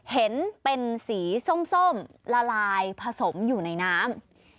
เห็นเป็นสีส้มละลายผสมอยู่ในน้ำ